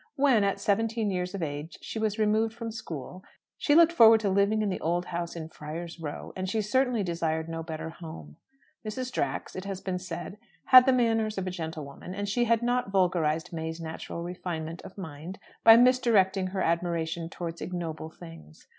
When, at seventeen years of age, she was removed from school, she looked forward to living in the old house in Friar's Row, and she certainly desired no better home. Mrs. Drax, it has been said, had the manners of a gentlewoman, and she had not vulgarized May's natural refinement of mind by misdirecting her admiration towards ignoble things.